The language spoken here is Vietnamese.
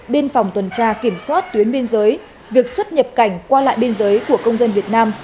biên phòng tuần tra kiểm soát tuyến biên giới việc xuất nhập cảnh qua lại biên giới của công dân việt nam